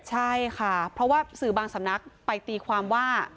ใช่ค่ะเพราะว่าสื่อบางสำนักไปตีความว่า